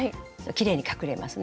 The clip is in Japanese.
きれいに隠れますね。